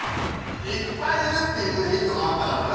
いっぱいいるっていうヒントがあったからね。